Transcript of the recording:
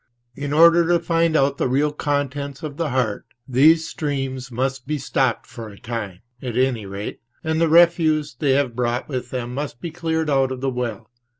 In order to find out the real contents of the heart these streams must be stopped for a time, at any rate, and the refuse they have brought with them must be cleared out of the well.